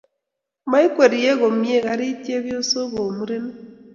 Maikwerie komnyei karit chepyosok ku murenik